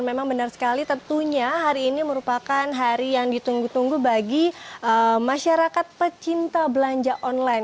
memang benar sekali tentunya hari ini merupakan hari yang ditunggu tunggu bagi masyarakat pecinta belanja online